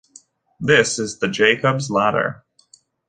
This is the Jacob's ladder.